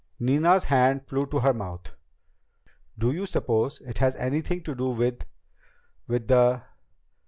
Nina's hand flew to her mouth. "Do you suppose it has anything to do with ... with the